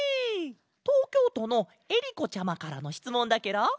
とうきょうとのえりこちゃまからのしつもんだケロ！